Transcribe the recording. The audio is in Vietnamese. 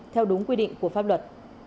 theo đúng quy định của pháp luật